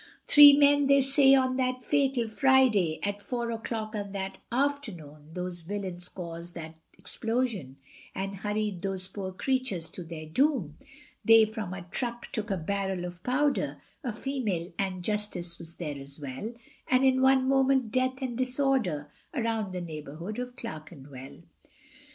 Three men they say on that fatal Friday, At four o'clock on that afternoon, Those villians caused that explosion, And hurried those poor creatures to their doom. They from a truck took a barrel of powder, A female, Ann Justice was there as well, And in one moment death and disorder Around the neighbourhood of Clerkenwell.